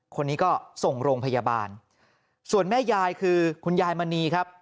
คนนี้ก็ส่งโรงพยาบาลส่วนแม่ยายคือคุณยายมณีครับ